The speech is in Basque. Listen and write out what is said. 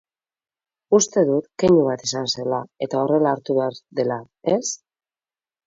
Uste dut keinu bat izan zela eta horrela hartu behar dela, ez?